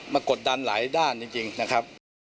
กดดันหลายด้านจริงนะครับ